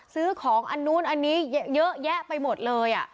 ซื้อของอันนู้นอันนี้เยอะแยะไปหมดเลย